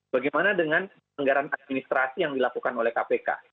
bagaimana dengan anggaran administrasi yang dilakukan oleh kpk